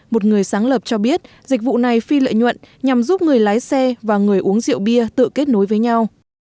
một người sáng lập cho biết dịch vụ này phi lợi nhuận nhằm giúp người lái xe và người uống rượu bia tự kết nối với nhau